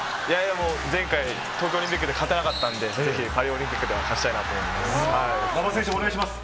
前回、東京オリンピックで勝てなかったんで、ぜひパリオリンピックでは馬場選手もお願いします。